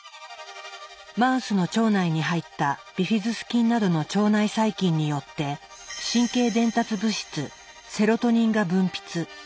マウスの腸内に入ったビフィズス菌などの腸内細菌によって神経伝達物質セロトニンが分泌。